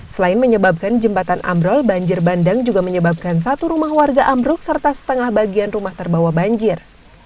selain menyebabkan jembatan ambrol banjir bandang juga menyebabkan satu rumah warga ambruk serta setengah bagian rumah terbawa banjir